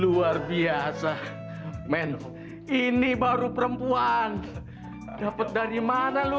luar biasa men ini baru perempuan dapat dari mana lu